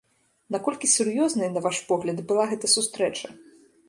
Наколькі сур'ёзнай, на ваш погляд, была гэта сустрэча?